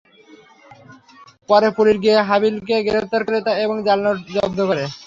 পরে পুলিশ গিয়ে হাবিলকে গ্রেপ্তার করে এবং জাল নোট জব্দ করে।